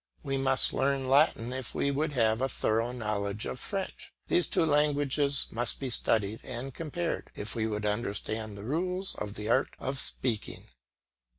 We must learn Latin if we would have a thorough knowledge of French; these two languages must be studied and compared if we would understand the rules of the art of speaking.